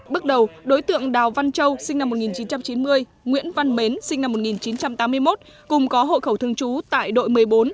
bước đầu đối tượng đào văn châu sinh năm một nghìn chín trăm chín mươi nguyễn văn mến sinh năm một nghìn chín trăm tám mươi một cùng có hộ khẩu thương chú tại đội một mươi bốn